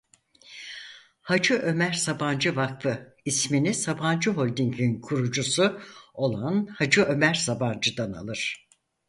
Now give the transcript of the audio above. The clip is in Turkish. Hacı Ömer Sabancı Vakfı ismini Sabancı Holding'in kurucusu olan Hacı Ömer Sabancı'dan alır.